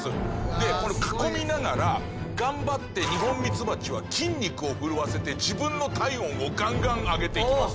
で囲みながら頑張ってニホンミツバチは筋肉を震わせて自分の体温をガンガン上げていきます。